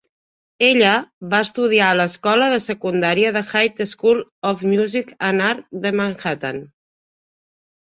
Ella va estudiar a l'escola de secundària The High School of Music and Art de Manhattan.